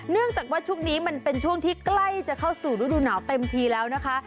เนื่องจากว่าช่วงนี้มันเป็นช่วงที่ใกล้จะเข้าสู่ฤดูหนาวเต็มทีแล้วนะคะ